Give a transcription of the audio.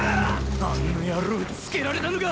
あの野郎つけられたのか！